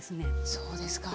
そうですか。